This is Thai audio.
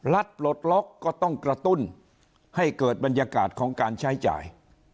ปลดล็อกก็ต้องกระตุ้นให้เกิดบรรยากาศของการใช้จ่าย